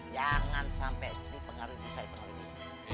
jangan sampai jadi pengaruh bisa dipengaruhin